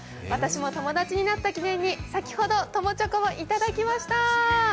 私も友達になった記念に、先ほど友チョコをいただきました！